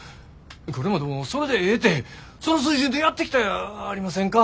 これまでもそれでええてその水準でやってきたやありませんか。